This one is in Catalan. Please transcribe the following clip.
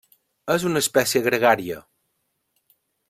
És una espècie gregària.